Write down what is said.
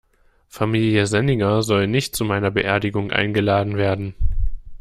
Familie Senninger soll nicht zu meiner Beerdigung eingeladen werden.